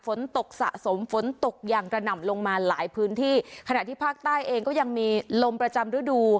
ฝนตกสะสมฝนตกอย่างกระหน่ำลงมาหลายพื้นที่ขณะที่ภาคใต้เองก็ยังมีลมประจำฤดู